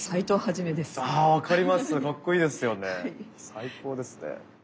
最高ですね。